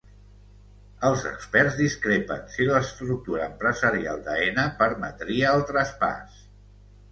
Els experts discrepen si l'estructura empresarial d'Aena permetria el traspàs